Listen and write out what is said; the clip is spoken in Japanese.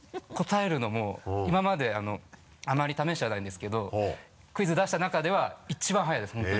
答えるのも今まであまり試してはないんですけどクイズ出した中では一番早いです